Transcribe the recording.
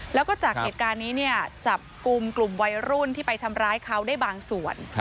แล้วก็จากเหตุการณ์นี้เนี่ยจับกลุ่มกลุ่มวัยรุ่นที่ไปทำร้ายเขาได้บางส่วน